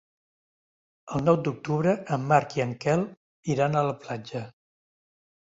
El nou d'octubre en Marc i en Quel iran a la platja.